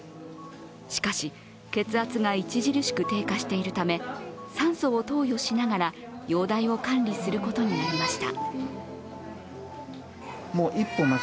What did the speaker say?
しかし、血圧が著しく低下しているため酸素を投与しながら容体を管理することになりました。